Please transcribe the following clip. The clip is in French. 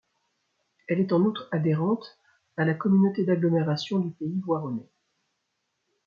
Elle est en outre adhérente à la Communauté d'agglomération du Pays voironnais.